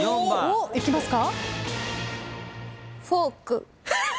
いきますか？